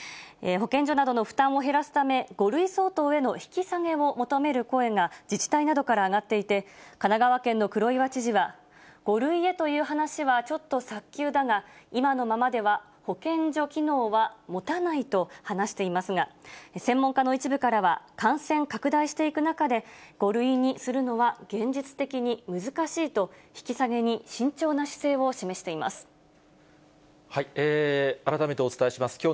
保健所などの負担を減らすため、５類相当への引き下げを求める声が、自治体などから上がっていて、神奈川県の黒岩知事は、５類へという話はちょっと早急だが、今のままでは保健所機能はもたないと話していますが、専門家の一部からは、感染拡大していく中で、５類にするのは現実的に難しいと引き下げに慎重な姿勢を示してい改めてお伝えします。